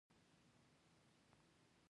د افغانستان فلورایټ چیرته موندل کیږي؟